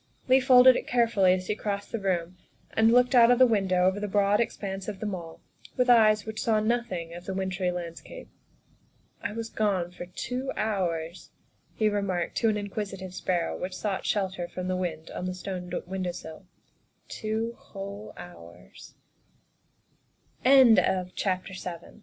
Leigh folded it carefully as he crossed the room and looked out of the window over the broad expanse of The Mall with eyes which saw nothing of the wintry landscape. " I was gone for two hours," he remarked to an in quisitive sparrow which sought shelter from the wind on the stone window sill, " two whole hours." THE SECRETARY O